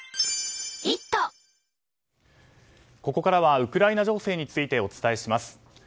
ここからはウクライナ情勢についてお伝えします。